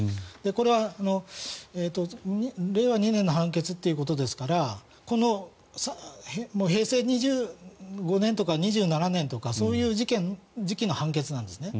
これは令和２年の判決ということですからこの平成２５年とか２７年とかそういう時期の判決なんですね。